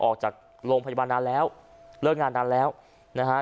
ออกจากโรงพยาบาลนานแล้วเลิกงานนานแล้วนะฮะ